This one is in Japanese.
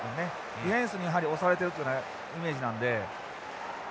ディフェンスにやはり押されてるというようなイメージなんで。